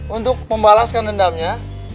untuk membalaskan dendamnya